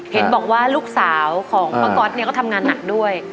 เห็นบอกว่าลูกสาวของป้าก๊อตเนี่ยก็ทำงานหนักด้วย